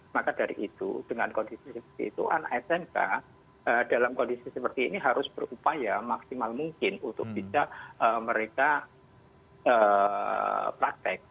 maka dari itu dengan kondisi seperti itu anak smk dalam kondisi seperti ini harus berupaya maksimal mungkin untuk bisa mereka praktek